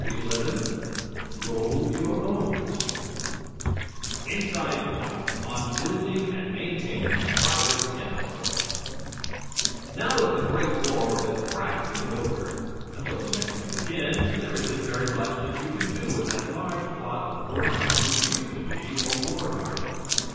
_ XI "ROLL YOUR OWN" Inside Points on Building and Maintaining a Private Tennis Court Now that the Great War is practically over, until the next one begins there isn't very much that you can do with that large plot of ground which used to be your war garden.